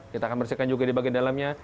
kita akan bersihkan juga di bagian dalamnya